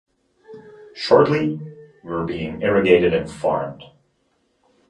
Shortly, were being irrigated and farmed.